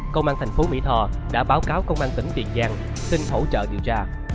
công an thành phố mỹ tho đã báo cáo công an tỉnh tiền giang xin hỗ trợ điều tra